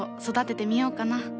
育ててみようかな。